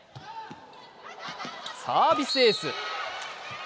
サービスエース。